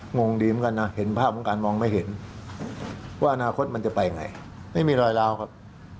งงดีเหมือนกันนะเห็นภาพของการมองไม่เห็นว่าอนาคตมันจะไปยังไงไม่มีรอยร้าวครับ